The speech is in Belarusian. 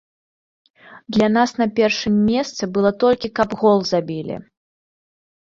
Для нас на першым месцы было толькі каб гол забілі.